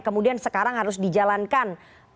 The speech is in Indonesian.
kemudian sekarang harus dijalankan